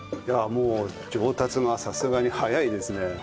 いやもう上達がさすがに早いですね。